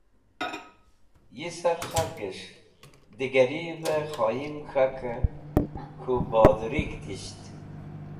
Yisar khalgẽs̃h digarvẽ khoyim k̃hakẽ k̃hũ bodũrig̃h disht.